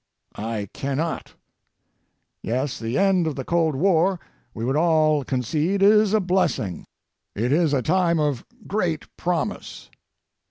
I cannot. Yes, the end of the cold war, we would all concede, is a blessing. It is a time of great promise.